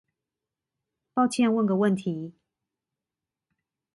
抱歉問個問題